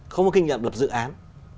không có kinh nghiệm luật dự án